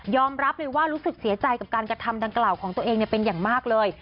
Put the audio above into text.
รับเลยว่ารู้สึกเสียใจกับการกระทำดังกล่าวของตัวเองเป็นอย่างมากเลย